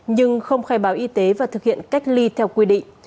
nhưng không khai báo y tế và thực hiện cách ly theo quy định